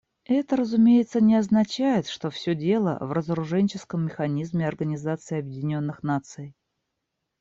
Это, разумеется, не означает, что все дело в разоруженческом механизме Организации Объединенных Наций.